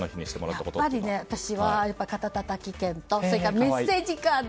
やっぱり私は肩たたき券とメッセージカード。